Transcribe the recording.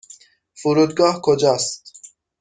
فرودگاه کجا است؟